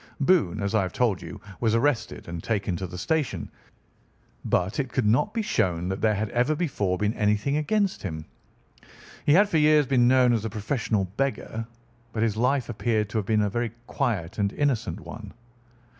Boone, as I have told you, was arrested and taken to the station, but it could not be shown that there had ever before been anything against him. He had for years been known as a professional beggar, but his life appeared to have been a very quiet and innocent one.